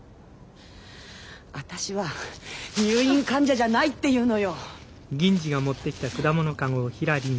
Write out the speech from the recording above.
私は入院患者じゃないっていうのよ。